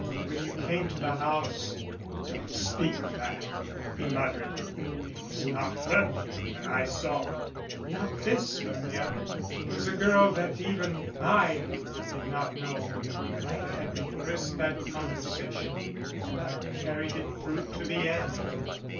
When you came to the house " "Don't speak of that," he muttered. "It was not Hennia that I saw." "Not this Hermia. It was a girl that even / did not know. I had rehearsed that conversation and I carried it through to the end."